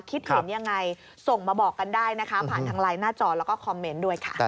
คิดเห็นยังไงส่งมาบอกกันได้นะคะผ่านทางไลน์หน้าจอแล้วก็คอมเมนต์ด้วยค่ะ